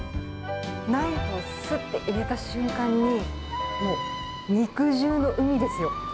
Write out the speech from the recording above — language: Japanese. ナイフをすっと入れた瞬間に、もう肉汁の海ですよ。